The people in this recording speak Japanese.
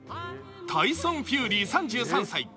タイソン・フューリー３３歳。